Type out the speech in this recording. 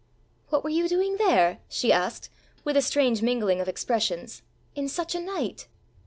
"What were you doing there," she asked, with a strange mingling of expressions, "in such a night?"